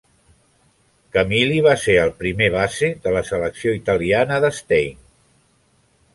Camilli va ser el primer base de la selecció italiana de Stein.